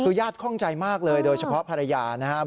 คือญาติคล่องใจมากเลยโดยเฉพาะภรรยานะครับ